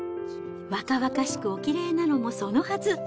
若々しくおきれいなのもそのはず。